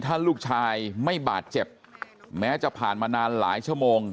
ถ้าลูกชายไม่บาดเจ็บแม้จะผ่านมานานหลายชั่วโมง